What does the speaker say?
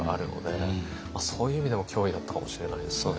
そういう意味でも脅威だったかもしれないですよね。